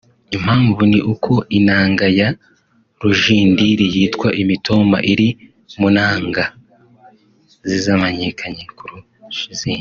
Impamvu ni uko inanga ya Rujindiri yitwa “Imitoma” iri mu nanga ze zamenyekanye kurusha izindi